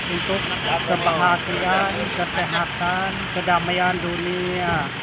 untuk kebahagiaan kesehatan kedamaian dunia